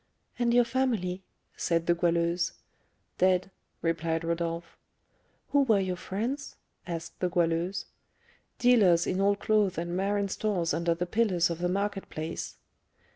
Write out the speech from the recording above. "And your family?" said the Goualeuse. "Dead," replied Rodolph. "Who were your friends?" asked the Goualeuse. "Dealers in old clothes and marine stores under the pillars of the market place."